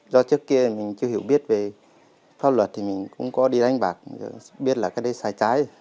do trước kia mình chưa hiểu biết về pháp luật thì mình cũng có đi đánh bạc biết là cái đấy sai trái